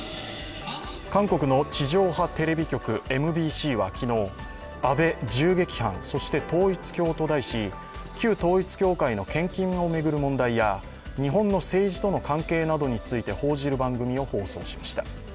韓国の地上波テレビ局ＭＢＣは昨日「安倍、銃撃犯そして統一教会」と題し、旧統一教会の献金を巡る問題や日本の政治との関係などについて報じる番組を放送しました。